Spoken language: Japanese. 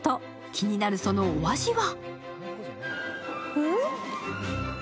気になるそのお味は？